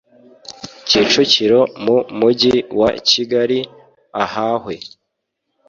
Kicukiro mu Mujyi wa Kigali ahahwe